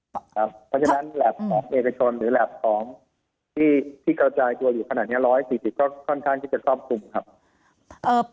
เพราะฉะนั้นแหลปของเอกชนหรือแล็บของที่กระจายตัวอยู่ขนาดนี้๑๔๐ก็ค่อนข้างที่จะครอบคลุมครับ